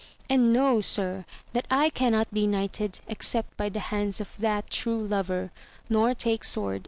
And know, sir, that I cannot be knighted except by the hands of that true lover, nor take sword %—1 36 AMADIS OF GAUL.